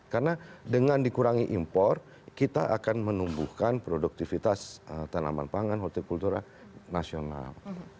karena dengan dikurangi impor kita akan menumbuhkan produktivitas tanaman pangan horticultura nasional